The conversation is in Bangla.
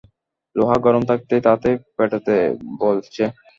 লোহা গরম থাকতেই তাতে পেটাতে বলছে।